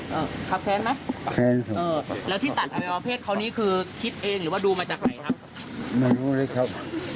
ตัดไอโอเพศเขานี้คือคิดเองหรือว่าดูมาจากไหนครับ